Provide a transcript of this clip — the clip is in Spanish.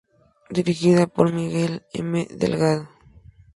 Dirigida por Miguel M. Delgado.